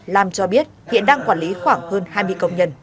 lam cho biết hiện đang quản lý khoảng hơn hai mươi công nhân